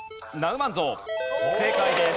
正解です。